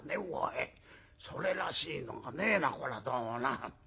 それらしいのがねえなこりゃどうもな」。